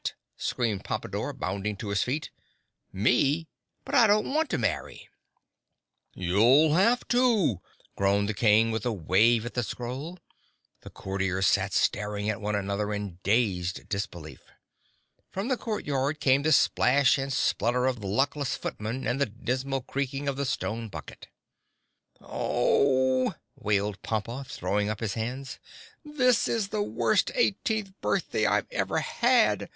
screamed Pompadore, bounding to his feet. "Me? But I don't want to marry!" "You'll have to," groaned the King, with a wave at the scroll. The Courtiers sat staring at one another in dazed disbelief. From the courtyard came the splash and splutter of the luckless footmen and the dismal creaking of the stone bucket. "Oh!" wailed Pompa, throwing up his hands. "This is the worst eighteenth birthday I've ever had.